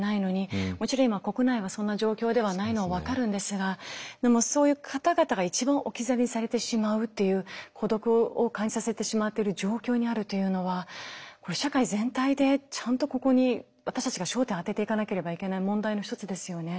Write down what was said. もちろん今国内はそんな状況ではないのは分かるんですがでもそういう方々が一番置き去りにされてしまうという孤独を感じさせてしまっている状況にあるというのは社会全体でちゃんとここに私たちが焦点を当てていかなければいけない問題の一つですよね。